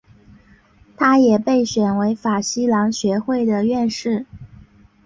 他也被选为法兰西学会的院士。